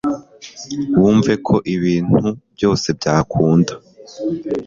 wumve ko ibintu byose byakunda